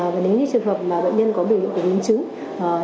và nếu như trường hợp mà bệnh nhân có biểu hiện của biến chứng